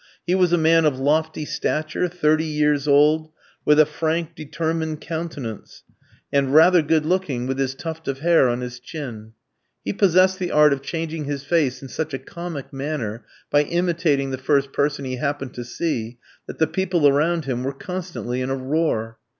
He was a man of lofty stature, thirty years old, with a frank, determined countenance, and rather good looking, with his tuft of hair on his chin. He possessed the art of changing his face in such a comic manner by imitating the first person he happened to see, that the people around him were constantly in a roar.